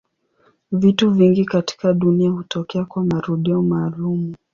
Vitu vingi katika dunia hutokea kwa marudio maalumu.